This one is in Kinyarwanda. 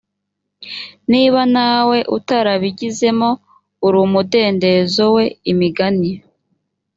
niba nawe utarabigizemo uruumudendezo we imigani